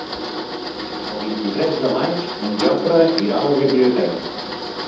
El vint-i-tres de maig en Jofre irà a la biblioteca.